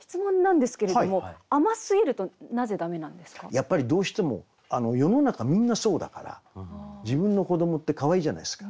やっぱりどうしても世の中みんなそうだから自分の子どもってかわいいじゃないですか。